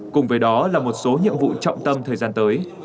cùng với đó là một số nhiệm vụ trọng tâm thời gian tới